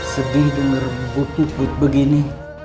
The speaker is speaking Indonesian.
sedih denger bu puput begini